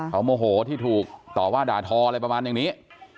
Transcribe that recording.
เขาโมโหที่ถูกต่อว่าด่าทออะไรประมาณอย่างนี้